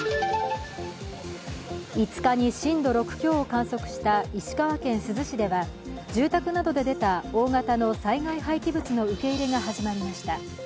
５日に震度６強を観測した石川県珠洲市では住宅などで出た大型の災害廃棄物の受け入れが始まりました。